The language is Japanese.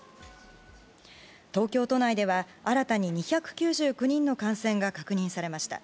東京都内では新たに２９９人の感染が確認されました。